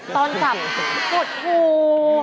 ตอนกลับกุฏภู